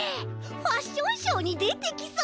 ファッションショーにでてきそう！